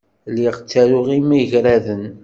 Lliɣ ttaruɣ imagraden.